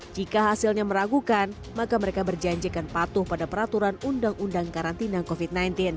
jika hasilnya meragukan maka mereka berjanjikan patuh pada peraturan undang undang karantina covid sembilan belas